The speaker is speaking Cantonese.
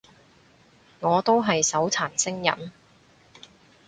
我都係手殘星人